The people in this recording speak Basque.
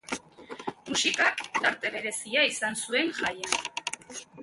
Musikak tarte berezia izan zuen jaian.